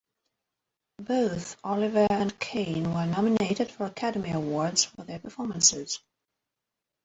Both Olivier and Caine were nominated for Academy Awards for their performances.